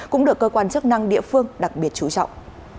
cũng được cơ quan chức năng địa phương đặc biệt chú trọng